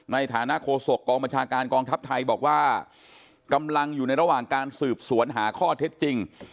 ในฐานะโคศกกองบัญชาการกองทัพไทยบอกว่ากำลังอยู่ในระหว่างการสืบสวนหาข้อเท็จจริง